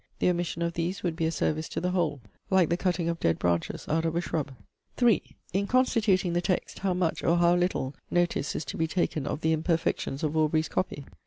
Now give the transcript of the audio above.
The omission of these would be a service to the whole, like the cutting of dead branches out of a shrub. 3. In constituting the text, how much, or how little, notice is to be taken of the imperfections of Aubrey's copy?